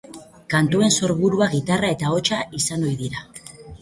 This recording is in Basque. Kantuen sorburua gitarra eta ahotsa izan ohi dira.